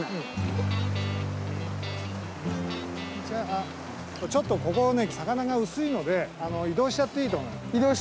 じゃあちょっとここはね魚が薄いので移動しちゃっていいと思う。